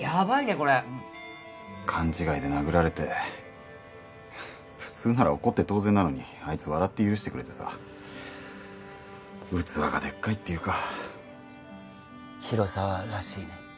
これ勘違いで殴られて普通なら怒って当然なのにあいつ笑って許してくれてさ器がでっかいっていうか広沢らしいね